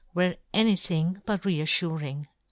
were anything * but re afluring.